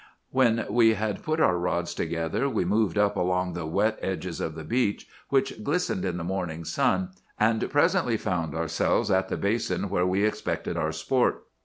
"When we had put our rods together, we moved up along the wet edges of the beach, which glistened in the morning sun, and presently found ourselves at the basin where we expected our sport.